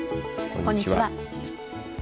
こんにちは。